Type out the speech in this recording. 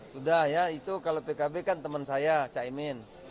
sudah ya itu kalau pkb kan teman saya caimin